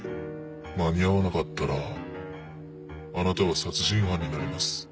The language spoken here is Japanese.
間に合わなかったらあなたは殺人犯になります。